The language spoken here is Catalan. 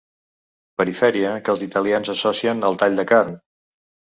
Perifèria que els italians associen al tall de carn.